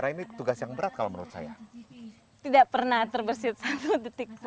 ini tugas yang berat kalau menurut saya tidak pernah terbersih satu detik